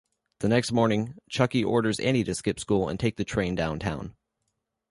The next morning, Chucky orders Andy to skip school and take the train downtown.